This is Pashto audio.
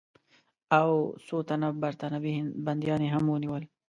او څو تنه برټانوي بندیان یې هم ونیول.